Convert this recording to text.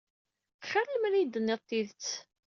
Xir lemmer i yi-d-tenniḍ tidet.